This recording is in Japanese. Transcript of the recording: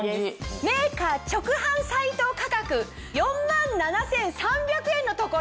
メーカー直販サイト価格４万７３００円のところ。